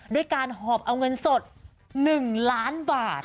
ด้วยการหอบเอาเงินสด๑ล้านบาท